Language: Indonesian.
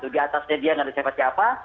di atasnya dia nggak ada siapa siapa